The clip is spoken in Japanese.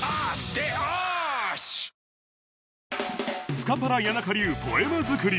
スカパラ谷中流ポエム作り